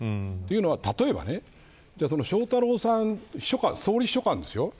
例えば、翔太郎さんは総理秘書官ですよ。